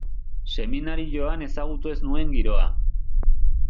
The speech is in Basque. Seminarioan ezagutu ez nuen giroa.